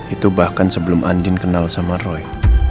itu bahkan sebelum andin kenal sama roy